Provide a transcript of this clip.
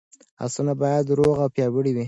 اسونه باید روغ او پیاوړي وي.